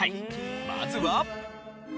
まずは。